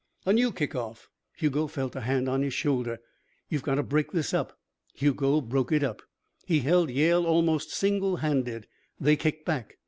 A new kick off. Hugo felt a hand on his shoulder. "You've gotta break this up." Hugo broke it up. He held Yale almost single handed. They kicked back.